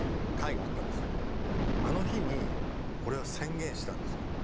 あの日に俺は宣言したんですよ。